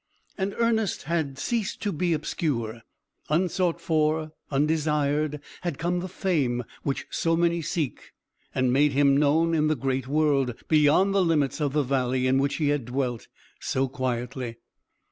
And Ernest had ceased to be obscure. Unsought for, undesired, had come the fame which so many seek, and made him known in the great world, beyond the limits of the valley in which he had dwelt so quietly.